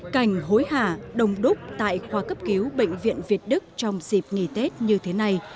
cành hối hạ đông đúc tại khoa cấp cứu bệnh viện việt đức trong dịp nghỉ tết như thế này